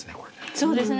そうですね